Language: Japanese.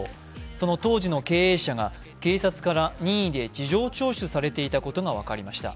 その当時の経営者が警察から任意で事情聴取されていたことが分かりました。